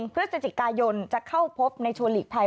๑เพื่อเศรษฐกายนจะเข้าพบในชัวร์หลีกภัย